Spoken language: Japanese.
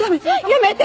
やめて！